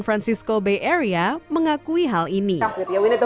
yang pertama ksi ternyata adalah orang contents